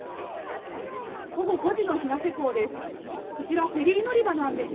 午後５時の日生港です。